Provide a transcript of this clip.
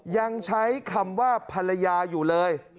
ยังใช้คำว่าภรรยาอยู่เลย